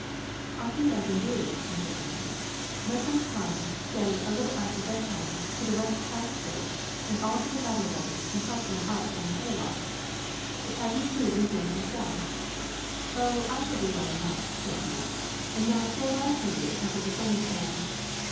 'I'll see what I can do,' answered I; 'let them come, say a little after bedtime, to the West house there, and I'll get a ladder ready and help them up on the hayloft, but have you food and drink yourself?' 'Oh, I shall do well enough,' said he, 'and now farewell to you until the sun is down.'